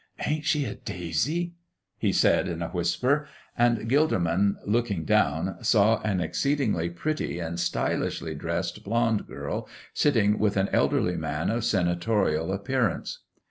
"Ain't she a daisy!" he said, in a whisper. And Gilderman, looking down, saw an exceedingly pretty and stylishly dressed blond girl sitting with an elderly man of senatorial appearance.